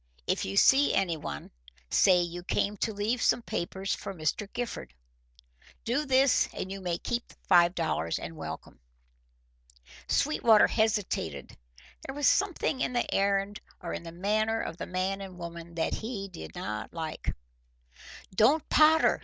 If you see anyone, say you came to leave some papers for Mr. Gifford. Do this and you may keep the five dollars and welcome." Sweetwater hesitated. There was something in the errand or in the manner of the man and woman that he did not like. "Don't potter!"